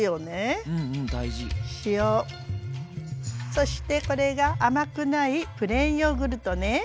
そしてこれが甘くないプレーンヨーグルトね。